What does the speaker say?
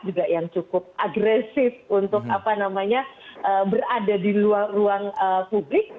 juga yang cukup agresif untuk berada di luar ruang publik